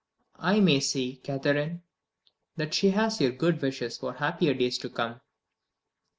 "I may say, Catherine, that she has your good wishes for happier days to come?"